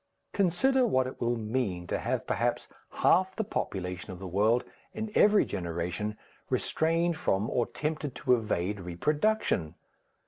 Consider what it will mean to have perhaps half the population of the world, in every generation, restrained from or tempted to evade reproduction!